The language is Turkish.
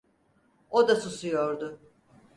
O da susuyordu.